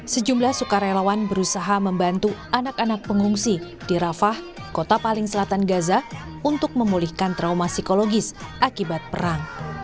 sejumlah sukarelawan berusaha membantu anak anak pengungsi di rafah kota paling selatan gaza untuk memulihkan trauma psikologis akibat perang